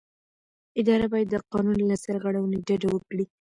اداره باید د قانون له سرغړونې ډډه وکړي.